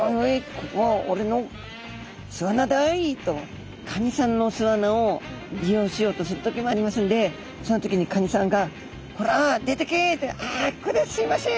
ここは俺の巣穴だい」とカニさんの巣穴を利用しようとする時もありますんでその時にカニさんが「こら出てけ！」って「あこりゃすいません！」